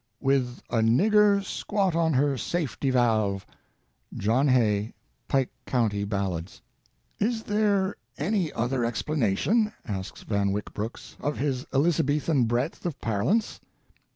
"With a nigger squat on her safety valve" John Hay, Pike County Ballads. "Is there any other explanation," asks Van Wyck Brooks, "'of his Elizabethan breadth of parlance?'